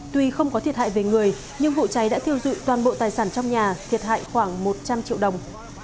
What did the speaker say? tuy không có thiệt hại về người nhưng vụ cháy đã thiêu dụi toàn bộ tài sản trong nhà thiệt hại khoảng một trăm linh triệu đồng